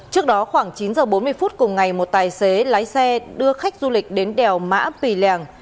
trước đó khoảng chín h bốn mươi phút cùng ngày một tài xế lái xe đưa khách du lịch đến đèo mã pì lèng